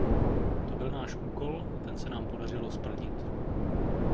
To byl náš úkol a ten se nám podařilo splnit.